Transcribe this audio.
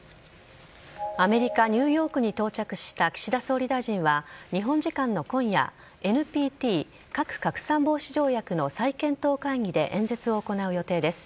アメリカ・ニューヨークに到着した岸田総理大臣は、日本時間の今夜、ＮＰＴ・核拡散防止条約の再検討会議で演説を行う予定です。